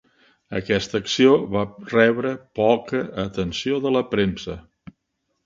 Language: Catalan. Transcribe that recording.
Aquesta acció va rebre poca atenció de la premsa.